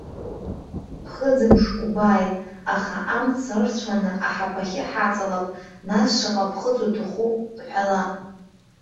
Ԥхыӡымш убааит, аха амца ырцәаны аҳаԥахьы ҳаҵалап, нас шаҟа ԥхыӡ уҭаху ҳәала.